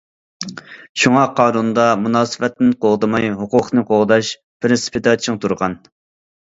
شۇڭا قانۇندا‹‹ مۇناسىۋەتنى قوغدىماي، ھوقۇقىنى قوغداش›› پىرىنسىپىدا چىڭ تۇرغان.